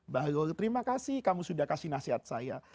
bahlul terima kasih kamu sudah kasih nasihat saya